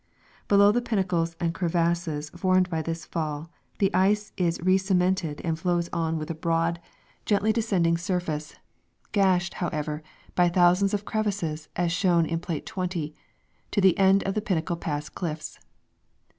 Below the pinnacles and crevasses formed by this fall the ice is recemented and flows on with a broad, gently de Ice Falls and Ice Rapids. 179 scending surface, gashed, however, hy thousands of crevasses, as shown in plate 20, to the end of the Pinnacle pass cliffs.